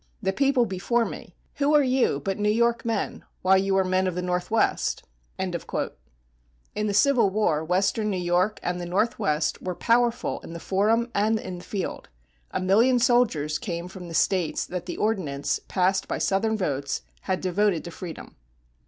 The people before me, who are you but New York men, while you are men of the Northwest?" In the Civil War, western New York and the Northwest were powerful in the forum and in the field. A million soldiers came from the States that the Ordinance, passed by Southern votes, had devoted to freedom.